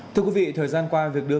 thưa quý vị thời gian qua việc đưa